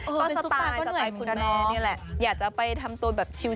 เป็นสตายก็เหนื่อยเหมือนกันเนี่ยแหละอยากจะไปทำตัวแบบชิว